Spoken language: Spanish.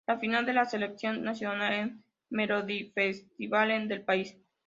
La final de la selección nacional en Melodifestivalen del país.